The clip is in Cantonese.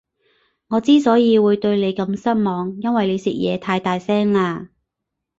我之所以會對你咁失望，因為你食嘢太大聲喇